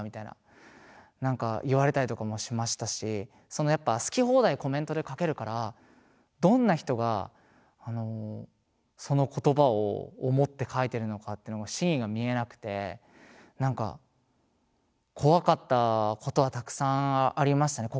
そのやっぱ好き放題コメントで書けるからどんな人があのその言葉を思って書いてるのかっていうのが真意が見えなくて何か怖かったことはたくさんありましたね